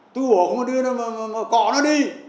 tu bổ không có đưa nó cọ nó đi